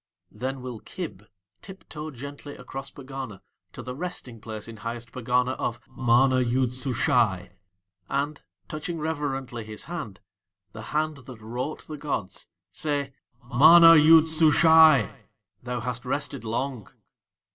Then will Kib tiptoe gently across Pegana to the resting place in Highest Pegana of MANA YOOD SUSHAI, and touching reverently his hand, the hand that wrought the gods, say: "MANA YOOD SUSHAI, thou hast rested long."